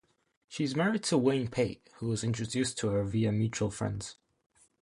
She is married to Wayne Pate, who was introduced to her via mutual friends.